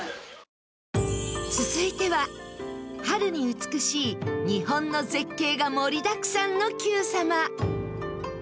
続いては春に美しい日本の絶景が盛りだくさんの『Ｑさま！！』。